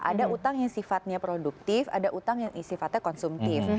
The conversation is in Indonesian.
ada utang yang sifatnya produktif ada utang yang sifatnya konsumtif